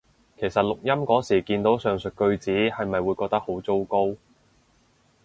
其實錄音嗰時見到上述句子係咪會覺得好糟糕？